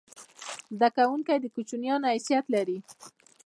زده کوونکی د کوچنیانو حیثیت لري.